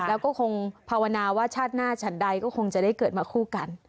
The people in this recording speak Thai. แล้วก็คงภาวนาว่าชาติหน้าฉันใดก็คงจะได้เกิดมาคู่กัน